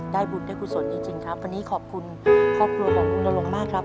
ได้บุญได้คุณสนจริงจริงครับวันนี้ขอบคุณครอบครัวของคุณละลงมากครับ